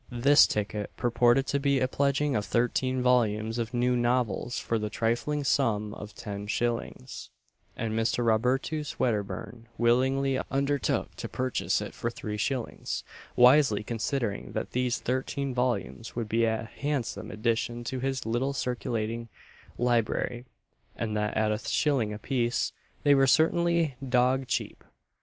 This ticket purported to be a pledging of thirteen volumes of new novels for the trifling sum of ten shillings, and Mr. Robertus Wedderburn willingly undertook to purchase it for three shillings wisely considering that these thirteen volumes would be a handsome addition to his little circulating library, and that at a shilling a piece they were certainly "dog cheap."